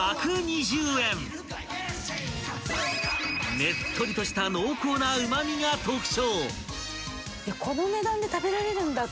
［ねっとりとした濃厚なうま味が特徴］